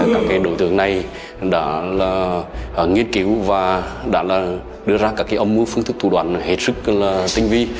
các đối tượng này đã nghiên cứu và đưa ra các âm mưu phương thức thủ đoàn hệ sức tinh vi